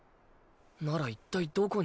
なら一体どこに。